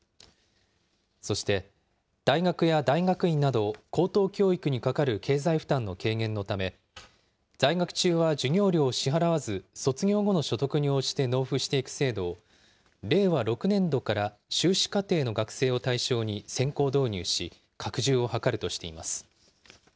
そして、大学や大学院など、高等教育にかかる経済負担の軽減のため、在学中は授業料を支払わず、卒業後の所得に応じて納付していく制度を、令和６年度から修士課程の学生を対象に先行導入し、拡充を図るとしています。